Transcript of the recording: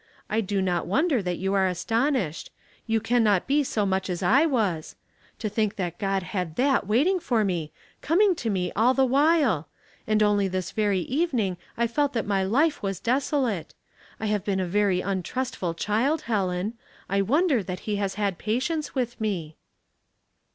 I do not wonder that you are astonished. You can not be as much so as I was. To think that God had that waiting for me, coming to me, all the while ; and only this very evening I felt that my life was desolate. I have been a very untrustful child, Helen. I wonder that he has bad patience with me."